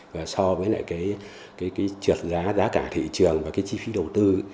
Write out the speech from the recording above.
và so với lại cái trượt giá cả thị trường và cái chi phí đầu tư